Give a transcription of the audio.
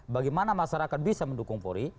bagaimana masyarakat bisa mendukung polri